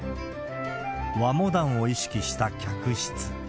和モダンを意識した客室。